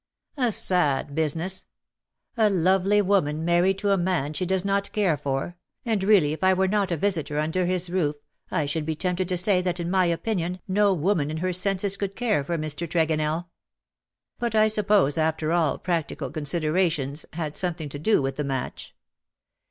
" A sad business. A lovely woman married to a man she does not care for — and really if I were not a visitor under his roof I should be tempted to say that in my opinion no woman in her senses could care for Mr. Tregonell. But I suppose after all practical considerations had something to do with the match.